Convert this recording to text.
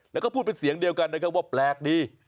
แล้วก็พูดเป็นเสียงเดียวกันนะครับว่าแปลกดี